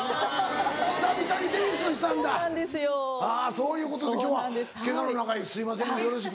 そういうことで今日はケガの中すいませんがよろしく。